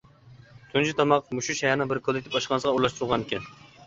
تۇنجى تاماق مۇشۇ شەھەرنىڭ بىر كوللېكتىپ ئاشخانىسىغا ئورۇنلاشتۇرۇلغانىكەن.